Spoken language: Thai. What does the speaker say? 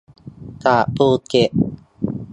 จากภูเก็ต